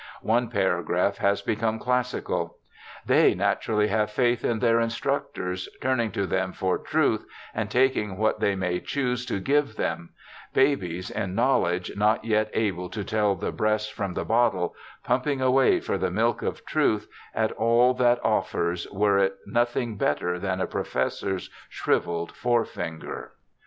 One paragraph has become classical :' They naturally have faith in their instructors, turning to them for truth, and taking what they may choose to give them; babies in knowledge, not yet able to tell the breast from the bottle, pumping away for the milk of truth at all that offers, were it nothing better than a professor's shrivelled forefinger.'